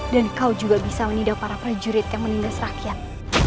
dan kau juga bisa menidau para prajurit yang menindas rakyat